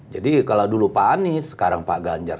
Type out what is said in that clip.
jadi kalau dulu pak anies sekarang pak ganjar